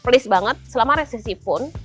please banget selama resesi pun